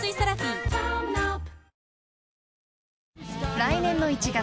［来年の１月。